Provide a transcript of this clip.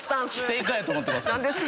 正解やと思ってます。